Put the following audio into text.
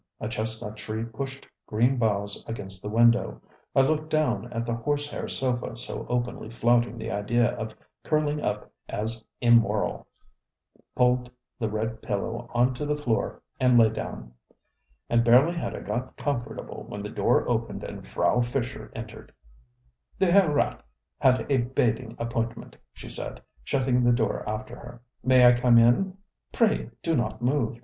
A chestnut tree pushed green boughs against the window. I looked down at the horsehair sofa so openly flouting the idea of curling up as immoral, pulled the red pillow on to the floor and lay down. And barely had I got comfortable when the door opened and Frau Fischer entered. ŌĆ£The Herr Rat had a bathing appointment, ŌĆØ she said, shutting the door after her. ŌĆ£May I come in? Pray do not move.